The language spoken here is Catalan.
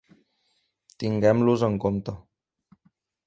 Tinguem-los en compte!